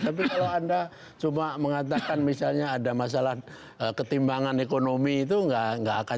tapi kalau anda cuma mengatakan misalnya ada masalah ketimbangan ekonomi itu nggak akan